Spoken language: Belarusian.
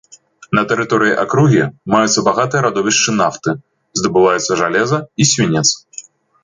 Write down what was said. На тэрыторыі акругі маюцца багатыя радовішчы нафты, здабываюцца жалеза і свінец.